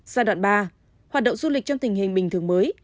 giai đoạn ba hoạt động du lịch trong tình hình bình thường mới